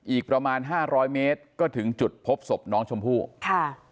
อีกประมาณห้าร้อยเมตรก็ถึงจุดพบศพน้องชมพู่ค่ะ